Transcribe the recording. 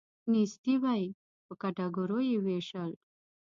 نیستي وی په کټګوریو یې ویشل.